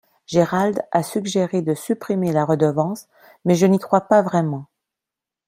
Gérald a suggéré de supprimer la redevance, mais je n'y crois pas vraiment.